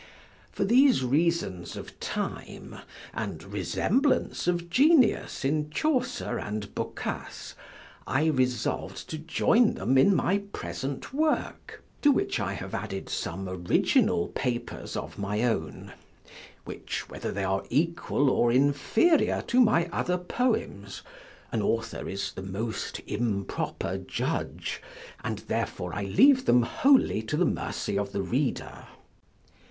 For these reasons of time, and resemblance of genius in Chaucer and Boccace, I resolv'd to join them in my present work; to which I have added some original papers of my own; which, whether they are equal or inferior to my other poems, an author is the most improper judge, and therefore I leave them wholly to the mercy of the reader.